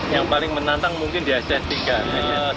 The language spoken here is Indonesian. yang paling menantang mungkin di ss tiga